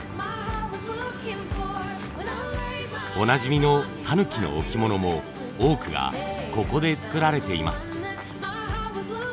おなじみのたぬきの置物も多くがここで作られています。